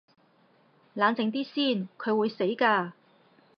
冷靜啲先，佢會死㗎